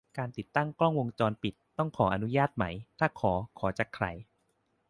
การติดตั้งกล้องวงจรปิด ควรต้องขอใบอนุญาตไหม ถ้าขอ ขอจากใคร